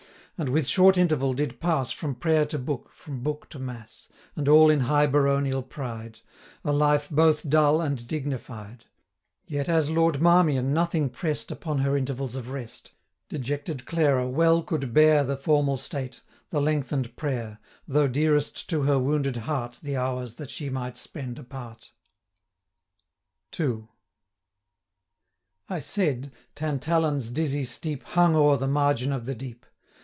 And, with short interval, did pass 15 From prayer to book, from book to mass, And all in high Baronial pride, A life both dull and dignified; Yet as Lord Marmion nothing press'd Upon her intervals of rest, 20 Dejected Clara well could bear The formal state, the lengthen'd prayer, Though dearest to her wounded heart The hours that she might spend apart. II. I said, Tantallon's dizzy steep 25 Hung o'er the margin of the deep.